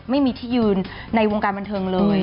ไม่มีที่ยืนในวงการบันเทิงเลย